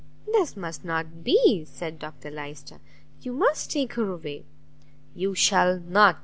"This must not be!" said Dr Lyster, "you must take her away." "You shall not!"